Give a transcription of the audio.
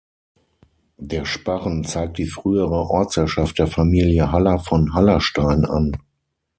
Der Sparren zeigt die frühere Ortsherrschaft der Familie Haller von Hallerstein an.